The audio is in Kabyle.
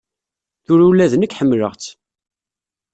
Tura ula d nekk ḥemmleɣ-tt.